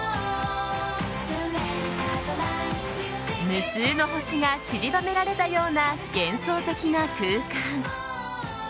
無数の星が散りばめられたような幻想的な空間。